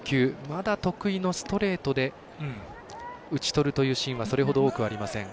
まだ得意のストレートで打ち取るというシーンはそれほど多くありません。